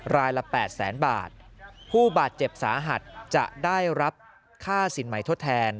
รายละแปดแสนบาทผู้บาดเจ็บสาหัสจะได้รับค่าสินใหม่ทดแทน